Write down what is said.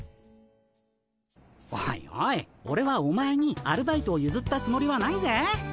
おいおいオレはお前にアルバイトをゆずったつもりはないぜ。